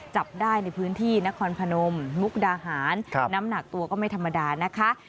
จับได้ในพื้นที่นครพนมมุกดาหารน้ำหนักตัวก็ไม่ธรรมดานะคะ